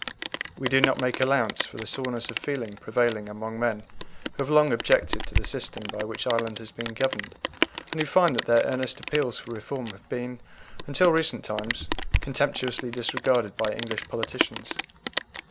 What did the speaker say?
We do not make allowance for the soreness of feeling prevailing among men who have long objected to the system by which Ireland has been governed, and who find that their earnest appeals for reform have been, until recent times, contemptuously disregarded by English politicians.